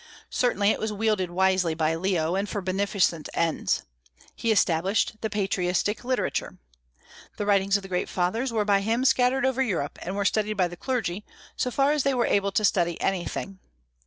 Certainly it was wielded wisely by Leo, and for beneficent ends. He established the patristic literature. The writings of the great Fathers were by him scattered over Europe, and were studied by the clergy, so far as they were able to study anything.